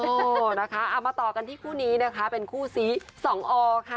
เอามาต่อกันที่คู่นี้นะคะเป็นคู่สี๒อค่ะ